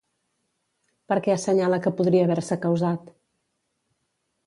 Per què assenyala que podria haver-se causat?